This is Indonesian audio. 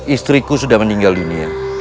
istriku sudah meninggal dunia